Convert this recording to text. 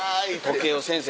時計を先生